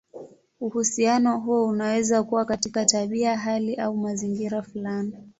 Uhusiano huo unaweza kuwa katika tabia, hali, au mazingira fulani.